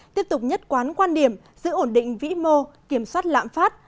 tiếp tục nhất quán quan điểm giữ ổn định vĩ mô kiểm soát lạm phát